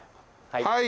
はい。